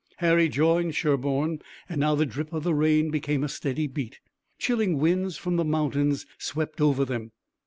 Harry joined Sherburne and now the drip of the rain became a steady beat. Chilling winds from the mountains swept over them.